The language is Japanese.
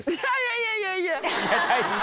いやいやいや。